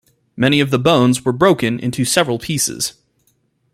Many of the bones were broken into several pieces.